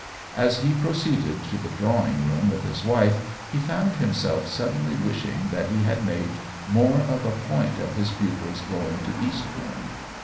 As he proceeded to the drawing room with his wife he found himself suddenly wishing that he had made more of a point of his pupil's going to Eastbourne.